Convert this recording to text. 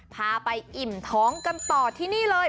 พาไปอิ่มท้องกันต่อที่นี่เลย